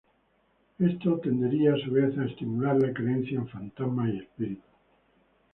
Esto tendería a su vez a estimular la creencia en fantasmas y espíritus.